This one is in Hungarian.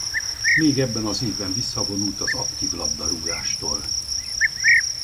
Még ebben az évben visszavonult az aktív labdarúgástól.